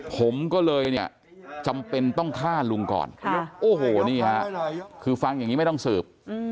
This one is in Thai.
ผมก็เลยเนี่ยจำเป็นต้องฆ่าลุงก่อนโอ้โหนี่ฮะคือฟังอย่างนี้ไม่ต้องสืบ